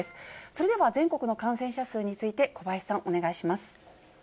それでは、全国の感染者数について、小林さん、お願いします。